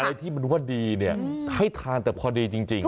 อะไรที่มันว่าดีเนี่ยให้ทานแต่พอดีจริง